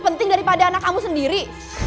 penting daripada anak kamu sendiri